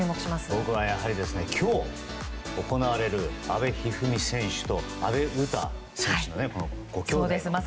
僕はやはり今日行われる阿部一二三選手と阿部詩選手のご兄妹。